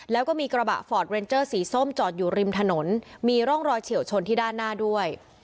แล้วก็มีกระบะฟอร์ดเรนเจอร์สีส้มจอดอยู่ริมถนนมีร่องรอยเฉียวชนที่ด้านหน้าด้วย